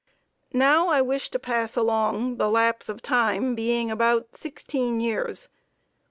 Now I wish to pass along, the lapse of time being about sixteen years.